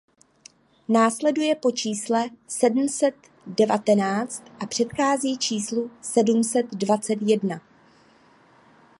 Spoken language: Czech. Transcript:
Následuje po čísle sedm set devatenáct a předchází číslu sedm set dvacet jedna.